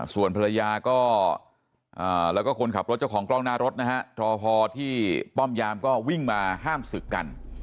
ส่วนภรรยาก็แล้วก็คนขับรถเจ้าของกล้องหน้ารถนะฮะรอพอที่ป้อมยามก็วิ่งมาห้ามศึกกัน